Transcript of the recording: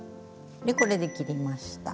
でこれで切りました。